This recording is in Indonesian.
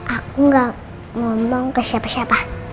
aku gak ngomong ke siapa siapa